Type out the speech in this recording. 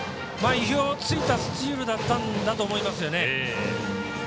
意表をついたスチールだったんだと思いますね。